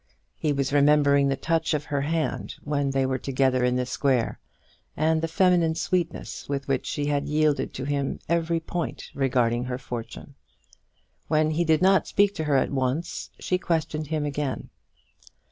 He was remembering the touch of her hand when they were together in the square, and the feminine sweetness with which she had yielded to him every point regarding her fortune. When he did not speak to her at once, she questioned him again.